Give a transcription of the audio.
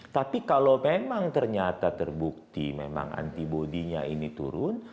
tapi kalau memang ternyata terbukti memang antibodinya ini turun